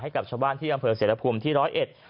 ให้กับชาวบ้านที่อำเภอเสรภูมิที่ร้อยเอ็ด